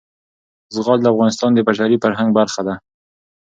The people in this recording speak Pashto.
زغال د افغانستان د بشري فرهنګ برخه ده.